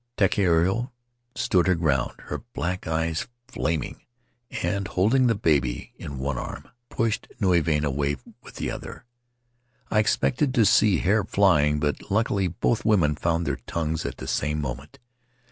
Takiero stood her ground, her black eyes flam ing and, holding the baby in one arm, pushed Nui Vahine away with the other. I expected to see hair flying, but, luckily, both women found their tongues at the same moment.